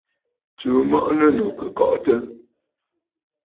Tsùu mɔʼɔ nɨ̂ ànnù kɨ kɔʼɔtə̂.